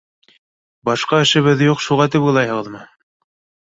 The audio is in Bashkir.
Башҡа эшебеҙ юҡ, шуға тип уйлайһығыҙмы?